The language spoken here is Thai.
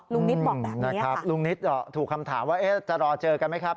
นิตบอกแบบนี้นะครับลุงนิดถูกคำถามว่าจะรอเจอกันไหมครับ